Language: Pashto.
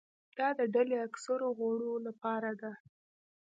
دا د ډلې اکثرو غړو لپاره ده.